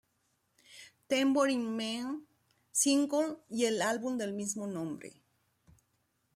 Tambourine Man "single y el álbum del mismo nombre.